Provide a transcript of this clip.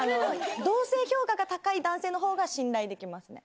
同性評価が高い男性のほうが、信頼できますね。